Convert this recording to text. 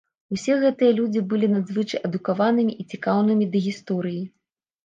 Усе гэтыя людзі былі надзвычай адукаванымі і цікаўнымі да гісторыі.